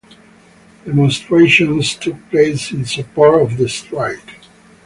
Demonstrations took place in support of the strike.